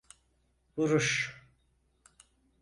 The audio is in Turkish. Vuruş!